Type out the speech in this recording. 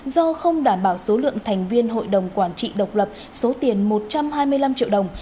do không đảm bảo số lượng thành viên hội đồng quản trị độc lập số tiền một trăm hai mươi năm triệu đồng